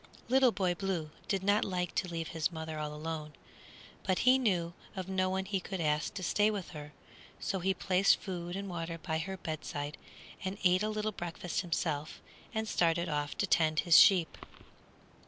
Little Boy Blue did not like to leave his mother all alone, but he knew of no one he could ask to stay with her; so he placed food and water by her bedside, and ate a little breakfast himself, and started off to tend his sheep.